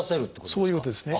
そういうことですね。